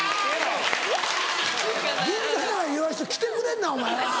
銀座から言わすと「来てくれんなお前は」。